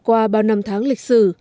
qua bao năm tháng lịch sử